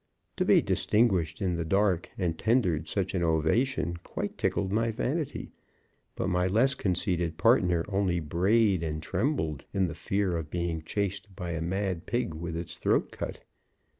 To be distinguished in the dark and tendered such an ovation quite tickled my vanity; but my less conceited partner only brayed and trembled in the fear of being chased by a mad pig with its throat cut.